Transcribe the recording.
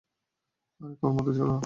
আরে তোর মতো চোর না, আমি।